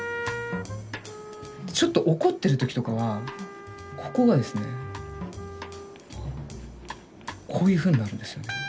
ちょっと怒ってる時とかはここがですねこういうふうになるんですよね。